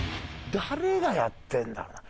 誰がやってるんだろうな。